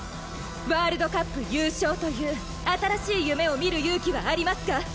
ワールドカップ優勝という新しい夢を見る勇気はありますか？